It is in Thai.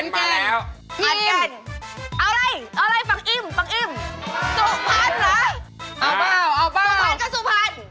พี่โน่ขันกันขันกันพี่อิ่มเอาอะไรฝั่งอิ่ม